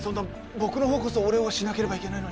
僕の方こそお礼をしなければいけないのに。